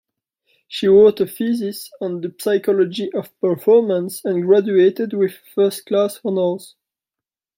She wrote a thesis on the psychology of performance and graduated with first-class honors.